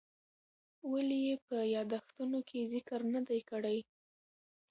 ولې یې په یادښتونو کې ذکر نه دی کړی؟